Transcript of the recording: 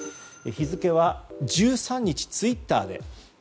日付は１３日ツイッターで。